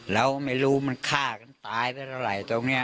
เราไม่รู้มันฆ่ากันตายไปเท่าไหร่ตรงนี้